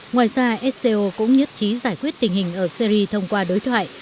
ngoài ra sco cũng nhất trí giải quyết tình hình ở syri thông qua đối thoại